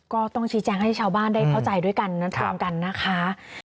ก็ต้องชี้แจงให้ชาวบ้านได้เข้าใจด้วยกันนั้นตรงกันนะคะ